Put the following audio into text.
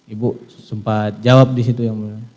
ibu sempat jawab di situ yang mulia